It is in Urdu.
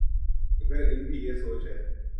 اگر ان کی یہ سوچ ہے۔